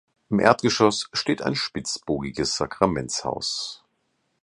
Im Erdgeschoss steht ein spitzbogiges Sakramentshaus.